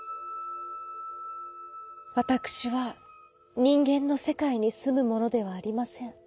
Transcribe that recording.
「わたくしはにんげんのせかいにすむものではありません。